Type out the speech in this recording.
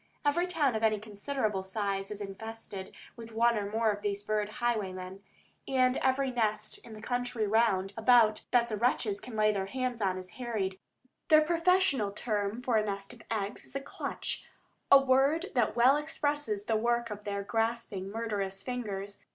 Every town of any considerable size is infested with one or more of these bird highwaymen, and every nest in the country round about that the wretches can lay hands on is harried. Their professional term for a nest of eggs is "a clutch," a word that well expresses the work of their grasping, murderous fingers.